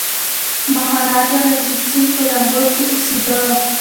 مهاراجا رنجیت سنګ په لاهور کي اوسېده.